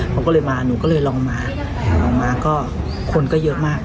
เขาก็เลยมาหนูก็เลยลองมาลองมาก็คนก็เยอะมาก